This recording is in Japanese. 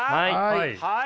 はい。